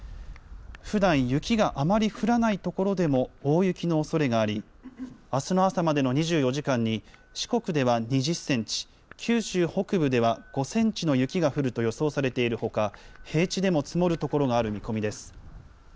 ふだん、雪があまり降らない所でも大雪のおそれがあり、あすの朝までの２４時間に四国では２０センチ、九州北部では５センチの雪が降ると予想されているほか、平地でも積もる所がある見込みです。